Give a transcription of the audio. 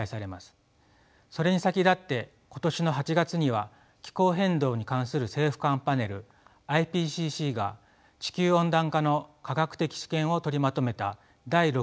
それに先立って今年の８月には気候変動に関する政府間パネルＩＰＣＣが地球温暖化の科学的知見を取りまとめた第６次報告書を公表しました。